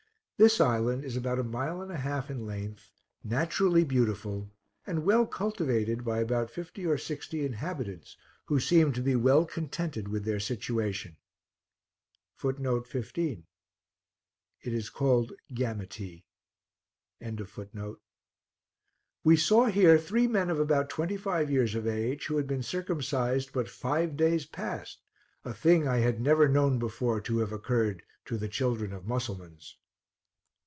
This island is about a mile and a half in length, naturally beautiful, and well cultivated by about fifty or sixty inhabitants, who seemed to be well contented with their situation. We saw here three men of about twenty five years of age, who had been circumcised but five days past, a thing I had never before known to have occurred to the children of Mussulmans.